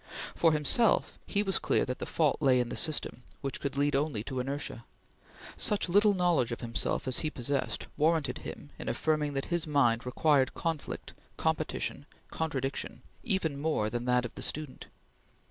For himself he was clear that the fault lay in the system, which could lead only to inertia. Such little knowledge of himself as he possessed warranted him in affirming that his mind required conflict, competition, contradiction even more than that of the student.